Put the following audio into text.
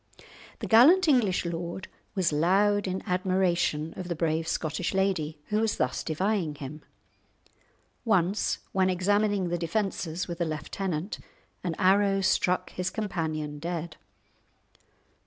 The gallant English lord was loud in admiration of the brave Scottish lady who was thus defying him. Once when examining the defences with a lieutenant, an arrow struck his companion dead.